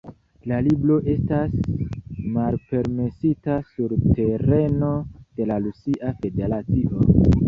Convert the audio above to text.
La libro estas malpermesita sur tereno de la Rusia Federacio.